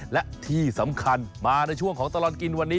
และที่สำคัญมาในช่วงของตลอดกินวันนี้